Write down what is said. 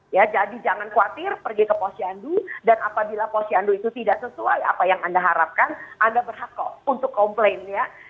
ya jadi jangan khawatir pergi ke posyandu dan apabila posyandu itu tidak sesuai apa yang anda harapkan anda berhak kok untuk komplain ya